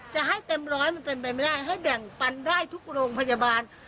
จะให้เต็มร้อยมันเป็นไปไม่ได้ให้แบ่งปันได้ทุกโรงพยาบาล